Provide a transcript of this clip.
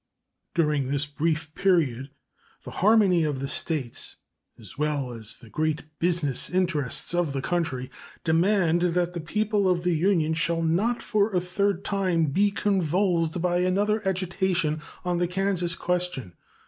During this brief period the harmony of the States as well as the great business interests of the country demand that the people of the Union shall not for a third time be convulsed by another agitation on the Kansas question.